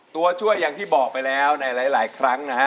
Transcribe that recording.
ตัวช่วยอย่างที่บอกไปแล้วในหลายครั้งนะฮะ